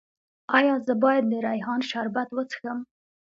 ایا زه باید د ریحان شربت وڅښم؟